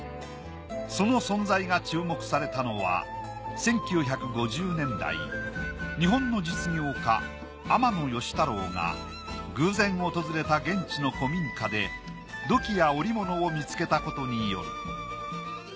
その存在が注目されたのは１９５０年代日本の実業家天野芳太郎が偶然訪れた現地の古民家で土器や織物を見つけたことによる。